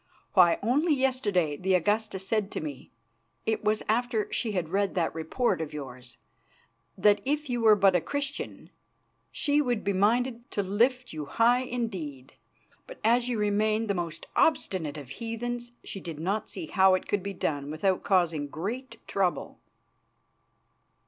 Why, only yesterday the Augusta said to me it was after she had read that report of yours that if you were but a Christian she would be minded to lift you high indeed. But as you remained the most obstinate of heathens she did not see how it could be done without causing great trouble."